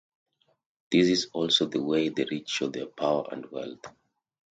This is also the way the rich show their power and wealth.